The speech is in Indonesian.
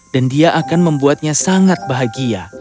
dan dia akan membuatnya sangat bahagia